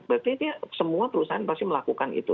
berarti itu ya semua perusahaan pasti melakukan itu